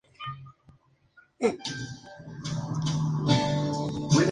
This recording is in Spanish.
En los siglos posteriores, se le denominó Virgen del Sagrario.